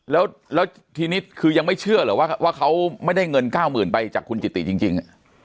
แล้วทีนี้คือยังไม่เชื่อเหรอว่าเขาไม่ได้เงิน๙๐๐๐ไปจากคุณจิติจริง